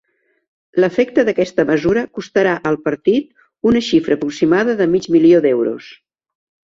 L'efecte d'aquesta mesura costarà al partit una xifra aproximada de mig milió d'euros.